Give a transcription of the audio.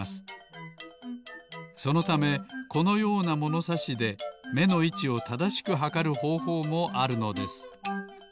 そのためこのようなものさしでめのいちをただしくはかるほうほうもあるのです。